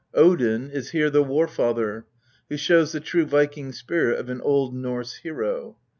Odin is here the War father, who shows the true Viking spirit of an old Norse hero.